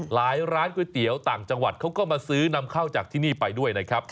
ร้านก๋วยเตี๋ยวต่างจังหวัดเขาก็มาซื้อนำเข้าจากที่นี่ไปด้วยนะครับ